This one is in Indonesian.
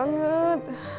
lagi lu terus pergi aja